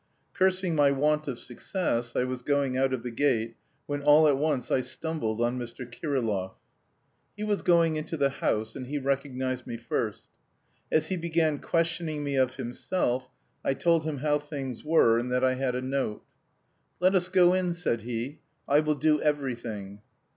Cursing my want of success, I was going out of the gate when all at once I stumbled on Mr. Kirillov. He was going into the house and he recognised me first. As he began questioning me of himself, I told him how things were, and that I had a note. "Let us go in," said he, "I will do everything."